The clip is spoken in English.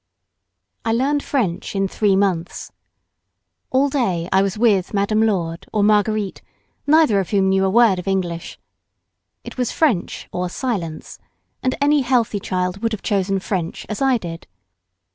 I learned French in three mouths. All day I was with Madame Lourdes or Marguerite, neither of whom knew a word of English. It was French or silence, and any healthy child would have chosen French, as I did.